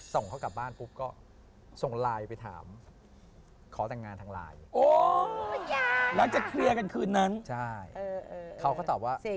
ส่งเขากลับบ้านแล้วก็ส่งลายไปถาม